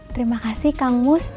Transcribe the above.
terima kasih kang mus